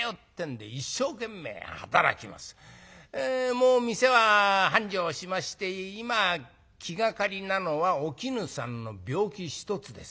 もう店は繁盛しまして今気がかりなのはお絹さんの病気一つです。